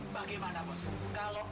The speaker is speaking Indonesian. saya punya usul